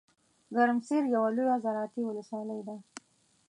ګرمسیر یوه لویه زراعتي ولسوالۍ ده .